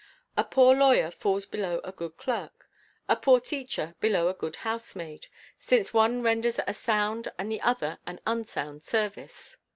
A poor lawyer falls below a good clerk, a poor teacher below a good housemaid, since one renders a sound and the other an unsound service.